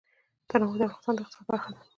تنوع د افغانستان د اقتصاد برخه ده.